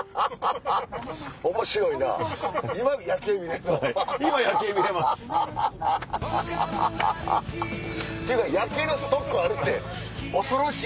ハハハハ！っていうか夜景のストックあるって恐ろしい。